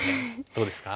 どうですか？